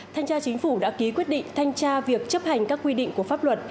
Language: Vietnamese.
thanh tra chính phủ đã ký quyết định thanh tra việc chấp hành các quy định của pháp luật